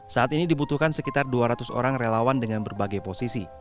saat ini dibutuhkan sekitar dua ratus orang relawan dengan berbagai posisi